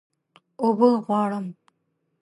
اوبه غواړم